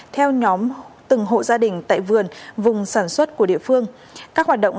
theo nhóm từng hộ gia đình tại vườn vùng sản xuất của địa phương